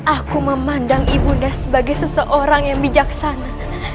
aku memandang ibunda sebagai seseorang yang bijaksana